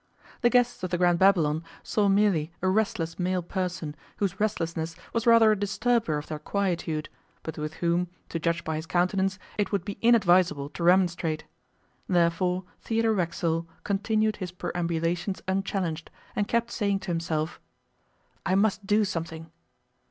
The guests of the Grand Babylon saw merely a restless male person, whose restlessness was rather a disturber of their quietude, but with whom, to judge by his countenance, it would be inadvisable to remonstrate. Therefore Theodore Racksole continued his perambulations unchallenged, and kept saying to himself, 'I must do something.